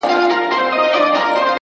صبر وکړه لا دي زمانه راغلې نه ده ـ